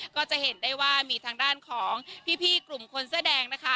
ก็จะเห็นได้ว่ามีทางด้านของพี่กลุ่มคนเสื้อแดงนะคะ